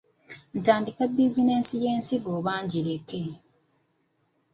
Ntandike bizinensi y’ensigo oba ngireke?